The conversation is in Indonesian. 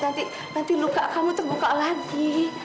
nanti luka kamu terbuka lagi